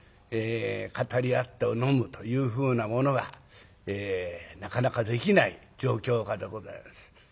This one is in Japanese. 語り合って飲むというふうなものはなかなかできない状況下でございます。